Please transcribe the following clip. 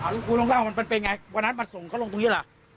ลุงคูณลงล่างมันเป็นไงวันนั้นมาส่งเขาลงตรงนี้หรอ